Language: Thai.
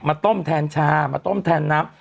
ต้มแทนชามาต้มแทนน้ำ